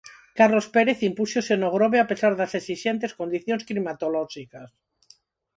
Carlos Pérez impúxose no Grove a pesar das esixentes condicións climatolóxicas.